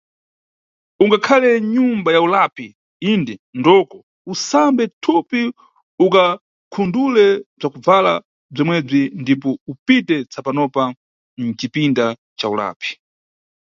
Ungakhale mnyumba ya ulapi, inde ndoko ukasambe mthupi ukakhundule bzakubvala bzomwebzi ndipo upite tsapanopa mcipinda ca ulapi.